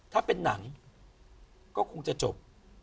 ถ้าเป็นหนังก็คงจะจบ